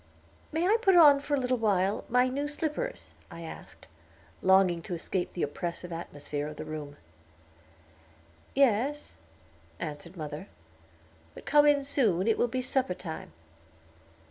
"May I put on, for a little while, my new slippers?" I asked, longing to escape the oppressive atmosphere of the room. "Yes," answered mother, "but come in soon, it will be supper time."